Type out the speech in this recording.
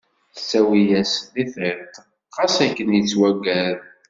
Tettawi-yas-t deg iḍ, ɣas akken yettwaggad.